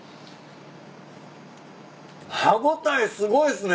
歯応えすごいっすね。